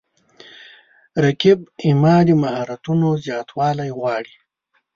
رقیب زما د مهارتونو زیاتوالی غواړي